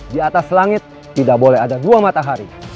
di atas langit tidak boleh ada dua matahari